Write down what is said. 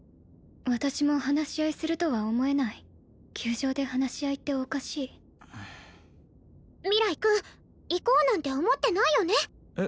私も話し合いするとは思えない球場で話し合いっておかしい明日君行こうなんて思ってないよね？